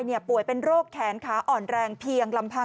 คุณยายป่วยเป็นโรคแขนค้าอ่อนแรงเพี่ยงลำพัง